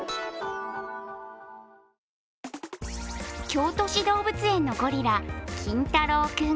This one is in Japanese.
京都市動物園のゴリラ、キンタロウ君。